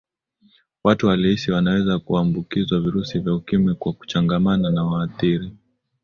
watu walihisi wanaweza kuambukizwa virusi vya ukimwi kwa kuchangamana na waathirika